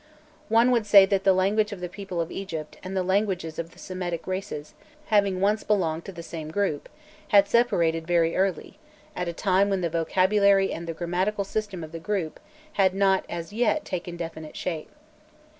One would say that the language of the people of Egypt and the languages of the Semitic races, having once belonged to the same group, had separated very early, at a time when the vocabulary and the grammatical system of the group had not as yet taken definite shape.